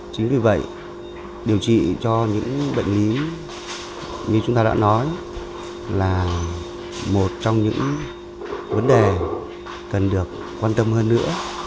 chính vì vậy điều trị cho những bệnh lý như chúng ta đã nói là một trong những vấn đề cần được quan tâm hơn nữa